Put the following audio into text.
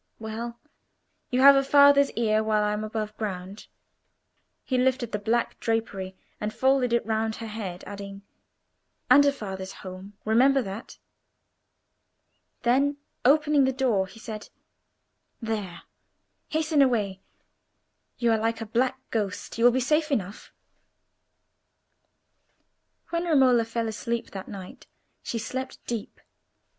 "Well, you have a father's ear while I am above ground,"—he lifted the black drapery and folded it round her head, adding—"and a father's home; remember that." Then opening the door, he said: "There, hasten away. You are like a black ghost; you will be safe enough." When Romola fell asleep that night, she slept deep.